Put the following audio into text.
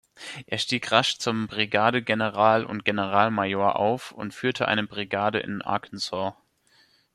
Er stieg rasch zum Brigadegeneral und Generalmajor auf und führte eine Brigade in Arkansas.